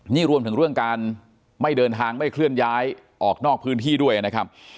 นี่รวมถึงเรื่องการไม่เดินทางไม่เคลื่อนย้ายออกนอกพื้นที่ด้วยนะครับ